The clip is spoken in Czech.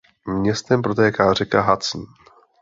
Městem protéká řeka Hudson.